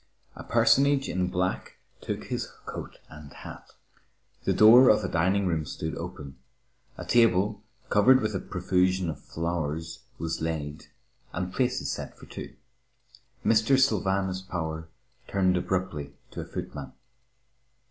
A personage in black took his coat and hat. The door of a dining room stood open. A table, covered with a profusion of flowers, was laid, and places set for two. Mr. Sylvanus Power turned abruptly to a footman.